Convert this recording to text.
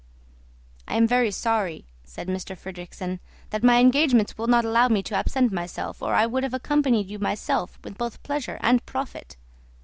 "I am very sorry," said M. Fridrikssen, "that my engagements will not allow me to absent myself, or I would have accompanied you myself with both pleasure and profit."